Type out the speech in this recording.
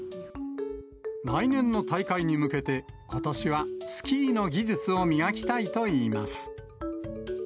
来年の大会に向けて、ことしはスキーの技術を磨きたいといいます。